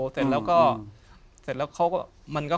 เสร็จแล้วเขาก็